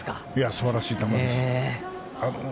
すばらしい球です。